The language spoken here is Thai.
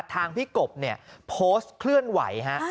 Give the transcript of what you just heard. ทางพี่กบเนี่ยโพสต์เคลื่อนไหวฮะ